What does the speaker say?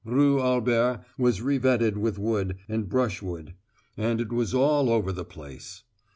Rue Albert was revetted with wood and brushwood, and it was all over the place.